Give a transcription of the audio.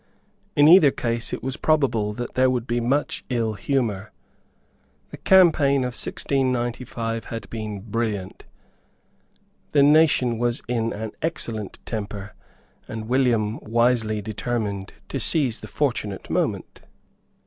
In either case, it was probable that there would be much ill humour. The campaign of 1695 had been brilliant; the nation was in an excellent temper; and William wisely determined to seize the fortunate moment.